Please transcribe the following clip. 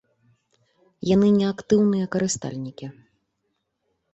Яны не актыўныя карыстальнікі.